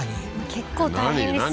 結構大変ですよ何？